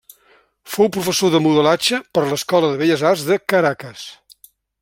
Fou professor de modelatge per l'Escola de Belles Arts de Caracas.